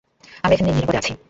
আমরা এখানে নিরাপদে আছি।